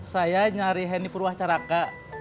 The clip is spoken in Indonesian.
saya nyari henny purwacaraka